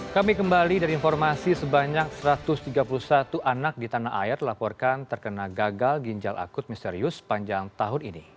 kami kembali dari informasi sebanyak satu ratus tiga puluh satu anak di tanah air laporkan terkena gagal ginjal akut misterius panjang tahun ini